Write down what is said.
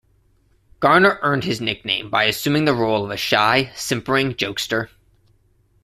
Garner earned his nickname by assuming the role of a shy, simpering jokester.